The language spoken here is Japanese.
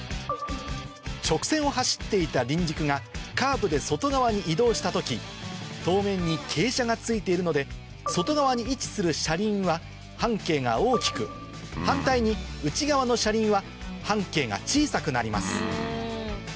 直線を走っていた輪軸がカーブで外側に移動した時踏面に傾斜がついているので外側に位置する車輪は半径が大きく反対に内側の車輪は半径が小さくなります